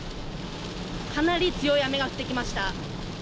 かなり強い雨が降ってきました。